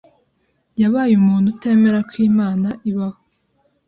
yabaye umuntu utemera ko Imana ibaho.